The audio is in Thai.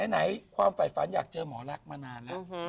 ไหนความฝ่ายฝันอยากเจอหมอรักมานานแล้ว